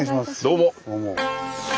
どうも！